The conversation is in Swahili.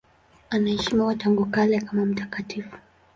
Anaheshimiwa tangu kale kama mtakatifu.